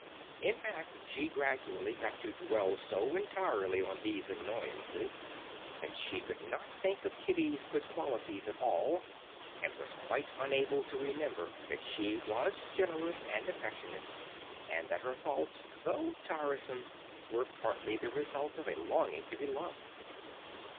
In fact, she gradually got to dwell so entirely on these annoyances that she could not think of Kitty's good qualities at all, and was quite unable to remember that she was generous and affectionate, and that her faults, though tiresome, were partly the result of a longing to be loved.